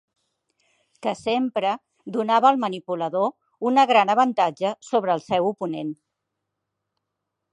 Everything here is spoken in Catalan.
Que sempre donava al manipulador una gran avantatge sobre el seu oponent.